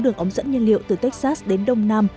đường ống dẫn nhiên liệu từ texas đến đông nam